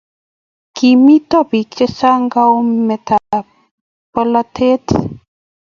Kimeto bik chechang kaumet ab polatet